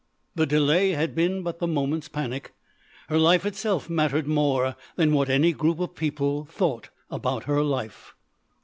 The delay had been but the moment's panic. Her life itself mattered more than what any group of people thought about her life.